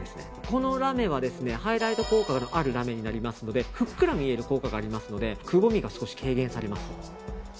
このラメはハイライト効果があるラメになりますのでふっくら見える効果がありますのでくぼみが少し軽減されます。